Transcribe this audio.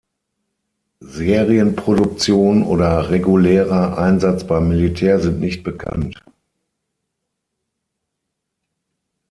Serienproduktion oder regulärer Einsatz beim Militär sind nicht bekannt.